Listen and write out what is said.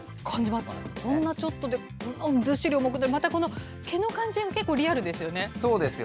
こんなちょっとでずっしり重くてまたこの毛の感じが結構リアルでそうですよね。